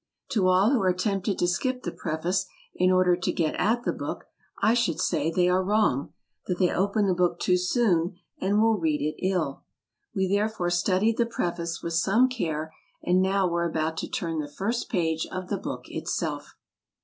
To all who are tempted to skip the preface in order to get at the book, I should say they are wrong — that they open the book too soon and will read it ill." We therefore studied the preface with some care, and now were about to turn the first page of the book itself.